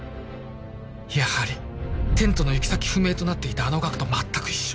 やはりテントの行き先不明となっていたあの額と全く一緒